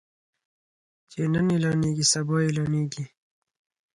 چې نن اعلانيږي سبا اعلانيږي.